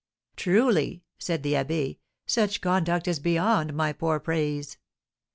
"Truly," said the abbé, "such conduct is beyond my poor praise.